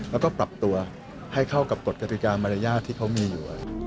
แล้วก็ปรับตัวให้เข้ากับกฎกติกามารยาทที่เขามีอยู่